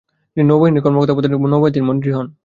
তিনি নৌবাহিনীর কর্মকর্তা পদে নৌবাহিনীর মন্ত্রী হন ।